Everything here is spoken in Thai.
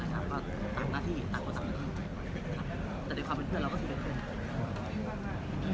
แต่ในความเป็นเพื่อนเราก็คือเพื่อน